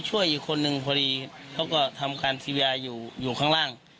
ช่วยอีกคนนึงพอดีเขาก็ทำการซีเรียอยู่ข้างล่าง